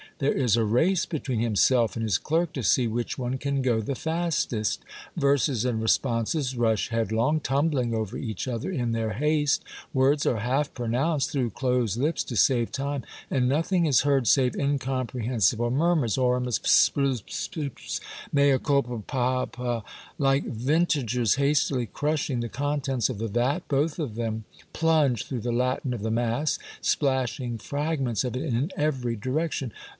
There is a race between himself and his clerk to see which one can go the fastest. Verses and responses rush headlong, tumbling over each other in their haste. Words are half pronounced through closed lips to save time, and nothing is heard save incomprehensible murmurs :—Oremus ps .,, ps ... ps ...'''' Mea culpa ... pa ... pd ...'' Like vintagers hastily crushing the contents of the vat, both of them plunge through the Latin of the mass, splashing fragments of it in every di rection.